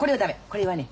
これはね